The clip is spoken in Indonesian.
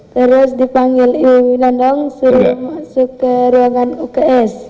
terus dipanggil ibu winandong suruh masuk ke ruangan uks